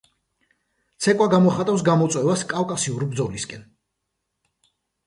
ცეკვა გამოხატავს გამოწვევას, კავკასიურ ბრძოლისაკენ.